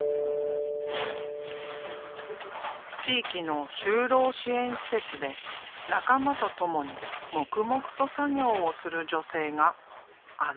地域の就労支援施設で仲間と共に黙々と作業をする女性があの不思議な絵の作者。